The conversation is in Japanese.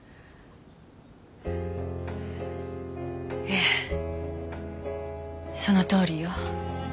ええそのとおりよ。